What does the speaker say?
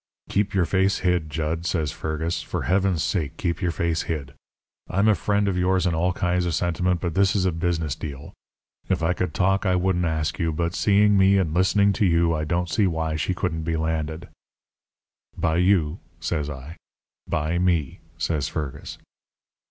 "'Keep your face hid, Jud,' says Fergus. 'For heaven's sake, keep your face hid. I'm a friend of yours in all kinds of sentiment, but this is a business deal. If I could talk I wouldn't ask you. But seeing me and listening to you I don't see why she can't be landed.' "'By you?' says I. "'By me,' says Fergus.